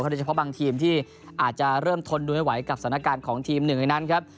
เพราะบางทีมที่เริ่มทนได้ไม่ไหวกับศัตรูการณ์ของทีมง่ายนั้นครับ